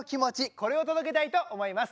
これを届けたいと思います。